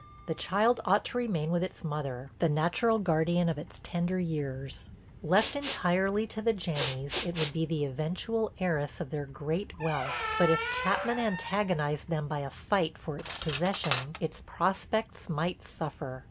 The child ought to remain with its mother, the natural guardian of its tender years; left entirely to the Janneys it would be the eventual heiress of their great wealth, but if Chapman antagonized them by a fight for its possession its prospects might suffer.